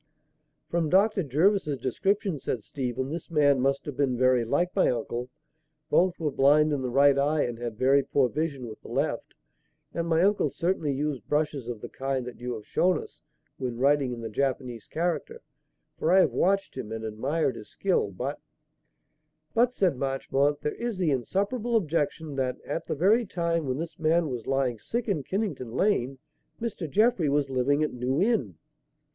"From Dr. Jervis's description," said Stephen, "this man must have been very like my uncle. Both were blind in the right eye and had very poor vision with the left; and my uncle certainly used brushes of the kind that you have shown us, when writing in the Japanese character, for I have watched him and admired his skill; but " "But," said Marchmont, "there is the insuperable objection that, at the very time when this man was lying sick in Kennington Lane, Mr. Jeffrey was living at New Inn."